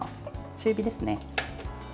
中火ですね。